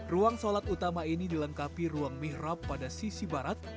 ruang sholat utama ini dilengkapi ruang mihrab pada sisi barat